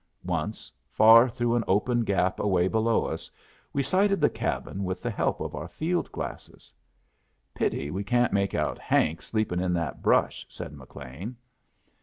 Once, far through an open gap away below us, we sighted the cabin with the help of our field glasses. "Pity we can't make out Hank sleepin' in that brush," said McLean.